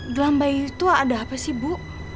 gelang bayi itu ada apa sih bu